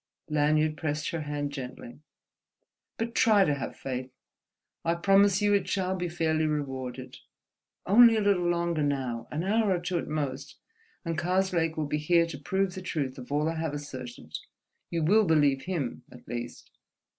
Lanyard pressed her hand gently. "But try to have faith; I promise you it shall be fairly rewarded. Only a little longer now, an hour or two at most, and Karslake will be here to prove the truth of all I have asserted. You will believe him, at least."